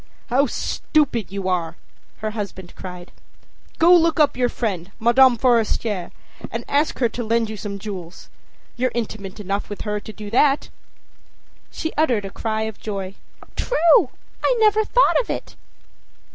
â âHow stupid you are!â her husband cried. âGo look up your friend, Madame Forestier, and ask her to lend you some jewels. You're intimate enough with her to do that.â She uttered a cry of joy: âTrue! I never thought of it.